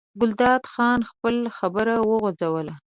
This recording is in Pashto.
ګلداد خان خپله خبره وغځوله.